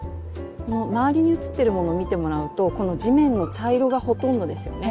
周りに写ってるものを見てもらうとこの地面の茶色がほとんどですよね。